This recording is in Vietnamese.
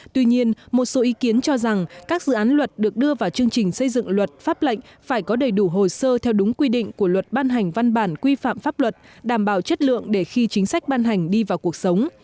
tuy nhiên một số ý kiến cho rằng các dự án luật được đưa vào chương trình xây dựng luật pháp lệnh phải có đầy đủ hồ sơ theo đúng quy định của luật ban hành văn bản quy phạm pháp luật đảm bảo chất lượng để khi chính sách ban hành đi vào cuộc sống